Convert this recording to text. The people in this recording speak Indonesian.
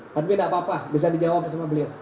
tapi tidak apa apa bisa dijawab sama beliau